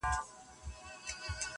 خو مخته دي ځان هر ځلي ملنگ در اچوم~